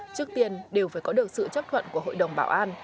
trước tiên đều phải có được sự chấp thuận của hội đồng bảo an